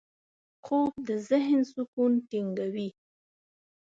خوب د ذهن سکون ټینګوي